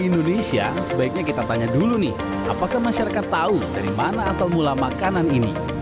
di indonesia sebaiknya kita tanya dulu nih apakah masyarakat tahu dari mana asal mula makanan ini